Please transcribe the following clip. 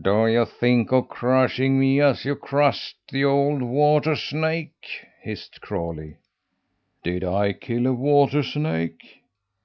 "Do you think of crushing me as you crushed the old water snake?" hissed Crawlie. "Did I kill a water snake?"